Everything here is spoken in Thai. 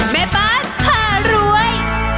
แม่บ้านผ่ารวย